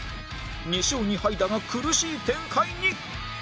２勝２敗だが苦しい展開に